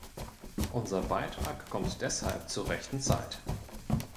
Unser Beitrag kommt deshalb zur rechten Zeit.